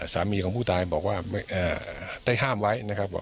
สามีของผู้ตายบอกว่าได้ห้ามไว้นะครับ